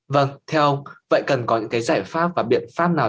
vâng theo ông vậy cần có những cái giải pháp và biện pháp nào